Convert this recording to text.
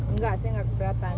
enggak sih nggak keberatan